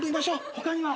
他には？